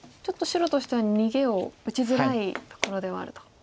ちょっと白としては逃げを打ちづらいところではあると。